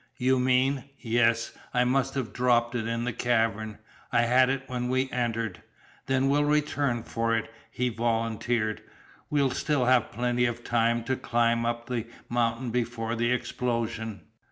"You mean " "Yes. I must have dropped it in the cavern. I had it when we entered." "Then we'll return for it," he volunteered. "We'll still have plenty of time to climb up the mountain before the explosion."